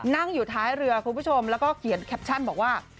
นั่งอยู่ท้ายเรือคุณผู้ชมแล้วก็เขียนแคปชั่นบอกว่า